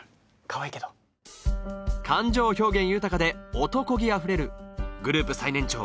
かわいいけど感情表現豊かで男気あふれるグループ最年長